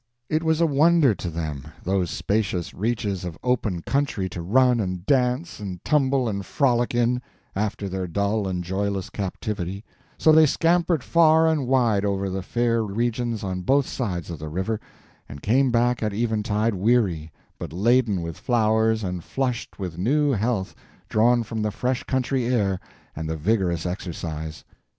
It was a wonder to them—those spacious reaches of open country to run and dance and tumble and frolic in, after their dull and joyless captivity; so they scampered far and wide over the fair regions on both sides of the river, and came back at eventide weary, but laden with flowers and flushed with new health drawn from the fresh country air and the vigorous exercise.